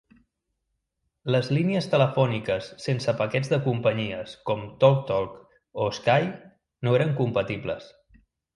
Les línies telefòniques sense paquets de companyies com TalkTalk o Sky no eren compatibles.